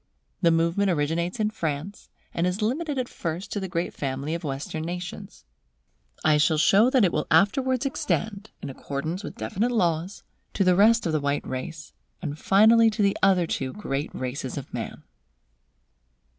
The movement originates in France, and is limited at first to the great family of Western nations. I shall show that it will afterwards extend, in accordance with definite laws, to the rest of the white race, and finally to the other two great races of man.